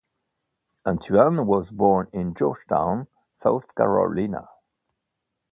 Anthuan was born in Georgetown, South Carolina.